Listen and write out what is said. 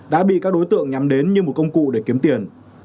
đã bị các đối tượng nhắm đến như một công cụ để kiếm tiền